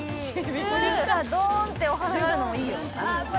ドーンってお花があるのもいいよ。